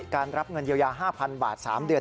การรับเงินเยียวยา๕๐๐๐บาท๓เดือน